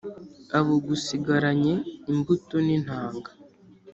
abagusigaranye imbuto n’intanga